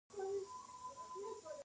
علي وردي خان دوی ټول ووژل.